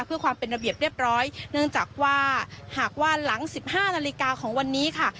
เพื่อความเป็นระเบียบเรียบร้อยเนื่องจากว่าหากว่าหลัง๑๕นาฬิกาของวันนี้ค่ะ